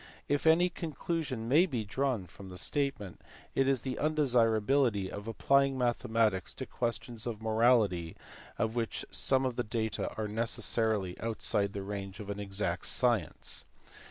If any conclusion may be drawn from the statement it is the undesirability of applying mathematics to questions of morality of which some of the data are necessarily outside the range of an exact science.